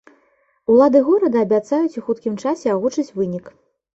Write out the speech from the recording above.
Улады горада абяцаюць у хуткім часе агучыць вынік.